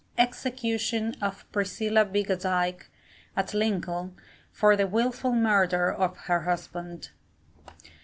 EXECUTION OF PRISCILLA BIGGADIKE, at Lincoln, for the WILFUL MURDER OF HER HUSBAND.